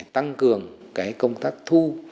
tăng cường cái công tác thu